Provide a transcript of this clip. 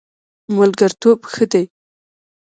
ملګرتوب ښه دی.